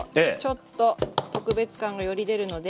ちょっと特別感がより出るので。